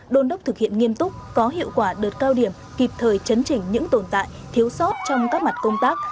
đôn đốc thực hiện nghiêm túc có hiệu quả đợt cao điểm kịp thời chấn chỉnh những tồn tại thiếu sót trong các mặt công tác